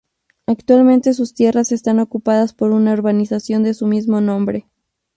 Actualmente sus tierras están ocupadas por una urbanización de su mismo nombre.